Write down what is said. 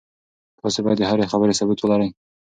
تاسي باید د هرې خبرې ثبوت ولرئ.